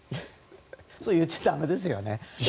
それ言っちゃ駄目ですよね。